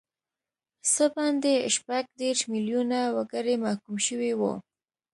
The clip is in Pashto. څه باندې شپږ دیرش میلیونه وګړي محکوم شوي وو.